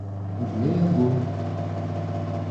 В ней огонь.